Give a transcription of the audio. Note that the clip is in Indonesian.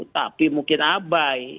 tapi mungkin abai